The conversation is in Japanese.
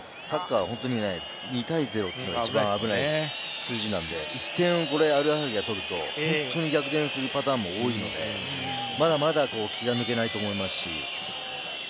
サッカーは２対０というのが一番危ない数字なので、１点、アルアハリが取ると、本当に逆転するパターンも多いので、まだまだ気が抜けないと思いますし。